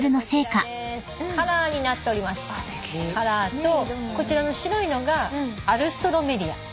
カラーとこちらの白いのがアルストロメリア。